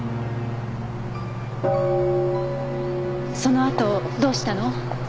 そのあとどうしたの？